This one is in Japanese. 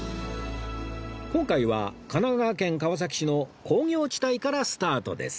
今回は神奈川県川崎市の工業地帯からスタートです